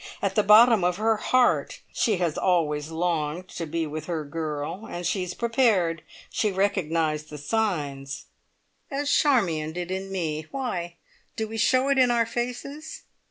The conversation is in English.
At the bottom of her heart she has always longed to be with her girl. And she's prepared. She recognised the signs." "As Charmion did in me. Why? Do we show it in our faces?"